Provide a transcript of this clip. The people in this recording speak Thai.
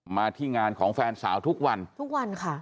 มาที่งานของแฟนสาวทุกวันทุกวันค่ะ